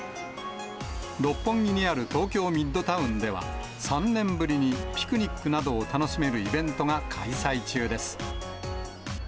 六本木にある東京ミッドタウンでは、３年ぶりにピクニックなどを楽しめるイベントが開催中です。